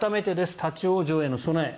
立ち往生への備え。